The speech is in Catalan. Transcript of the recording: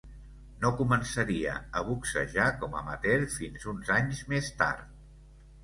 No començaria a boxejar com amateur fins uns anys més tard.